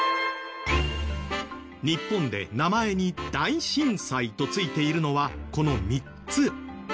日本で名前に「大震災」と付いているのはこの３つ。